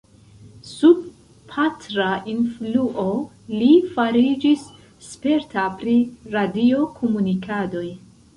Sub patra influo, li fariĝis sperta pri radio-komunikadoj.